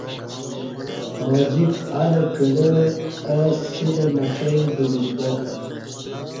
ا جیک ال کلہ اہ سیلہ مڄیں بدیوک با